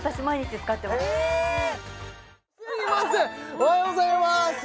おはようございます